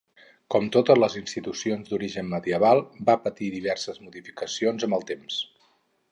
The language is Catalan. Com totes les institucions d'origen medieval va patir diverses modificacions amb el temps.